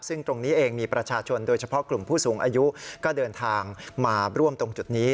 ซึ่งตรงนี้เองมีประชาชนโดยเฉพาะกลุ่มผู้สูงอายุก็เดินทางมาร่วมตรงจุดนี้